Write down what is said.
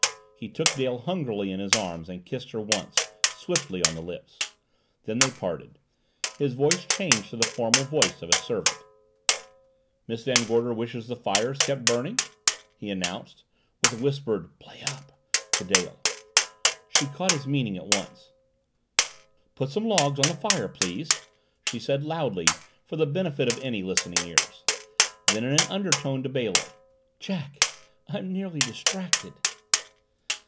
He took Dale hungrily in his arms and kissed her once, swiftly, on the lips. Then they parted his voice changed to the formal voice of a servant. "Miss Van Gorder wishes the fire kept burning," he announced, with a whispered "Play up!" to Dale. Dale caught his meaning at once. "Put some logs on the fire, please," she said loudly, for the benefit of any listening ears. Then in an undertone to Bailey, "Jack I'm nearly distracted!"